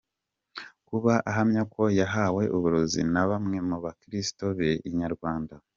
Kuba ahamya ko yahawe uburozi na bamwe mu bakristo be, Inyarwanda.